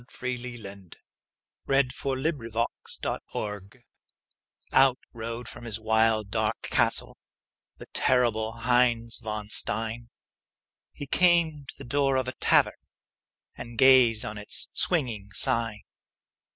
_ THE LEGEND OF HEINZ VON STEIN Out rode from his wild, dark castle The terrible Heinz von Stein; He came to the door of a tavern And gazed on its swinging sign.